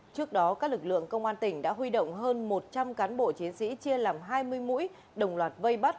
trước đó các lực lượng công an tỉnh đã huy động hơn một trăm linh cán bộ chiến sĩ chia làm hai mươi mũi đồng loạt vây bắt